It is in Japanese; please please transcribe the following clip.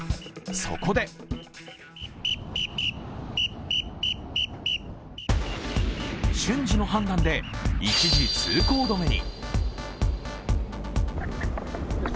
そこで瞬時の判断で、一時通行止めに。